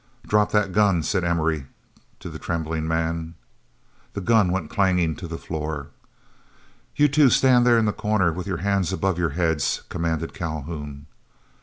"Drop that gun," said Emory to the trembling man. The gun went clanging to the floor. "You two stand there in the corner with your hands above your heads," commanded Calhoun.